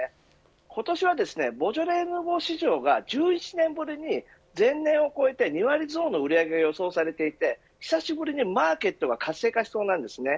今年はボジョレ・ヌーボー市場が１１年ぶりに前年を超えて２割増の売り上げを予想されていて久しぶりにマーケットが活性化しそうなんです。